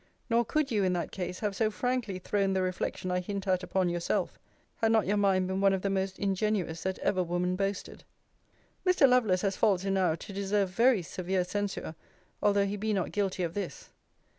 Nor could you, in that case, have so frankly thrown the reflection I hint at upon yourself, have not your mind been one of the most ingenuous that ever woman boasted. Mr. Lovelace has faults enow to deserve very severe censure, although he be not guilty of this.